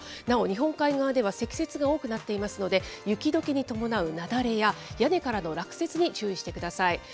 なお日本海側では積雪が多くなっていますので、雪どけに伴う雪崩や屋根からの落雪に注意してください。